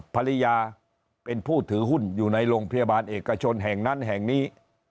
ภรรยาเป็นผู้ถือหุ้นอยู่ในโรงพยาบาลเอกชนแห่งนั้นแห่งนี้